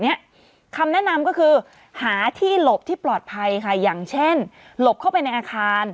คำแนะนำก็คือหาที่หลบที่ปลอดภัยค่ะอย่างเช่นหลบเข้าไปในอาคาร